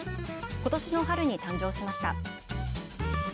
ことしの春に誕生しました。